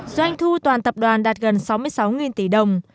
doanh thu toàn tập đoàn đạt gần sáu mươi sáu tỷ đồng